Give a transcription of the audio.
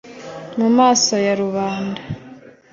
Mu maso ya rubanda